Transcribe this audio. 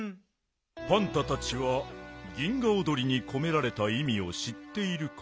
パンタたちは銀河おどりにこめられたいみをしっているか？